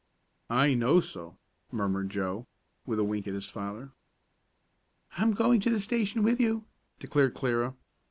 "I know so," murmured Joe, with a wink at his father. "I'm going to the station with you," declared Clara.